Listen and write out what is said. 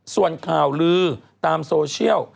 ส่วนข่าวลือตามโซเชียล